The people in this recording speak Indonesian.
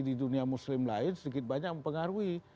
di dunia muslim lain sedikit banyak mempengaruhi